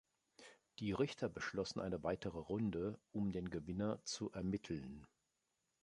Die Richter beschlossen eine weitere Runde, um den Gewinner zu ermitteln.